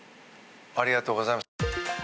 ありがとうございます。